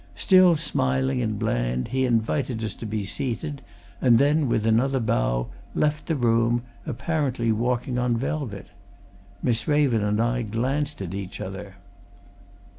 Still smiling and bland he invited us to be seated, and then, with another bow, left the room, apparently walking on velvet. Miss Raven and I glanced at each other.